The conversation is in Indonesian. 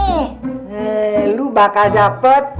eh lu bakal dapet